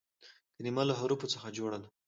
کلیمه له حروفو څخه جوړه ده.